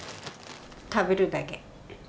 食べるだけ。